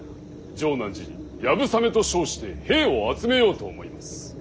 城南寺に流鏑馬と称して兵を集めようと思います。